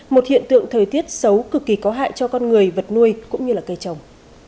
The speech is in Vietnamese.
một hiện tượng thời tiết xấu cực kỳ có hại cho con người vật nuôi cũng như cây trồng